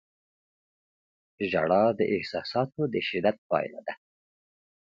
• ژړا د احساساتو د شدت پایله ده.